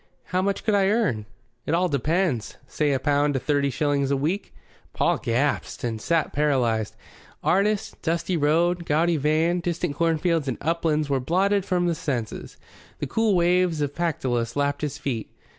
"How much could I earn?" "It all depends. Say a pound to thirty shillings a week." Paul gasped and sat paralyzed. Artist, dusty road, gaudy van, distant cornfields and uplands were blotted from his senses. The cool waves of Pactolus lapped his feet.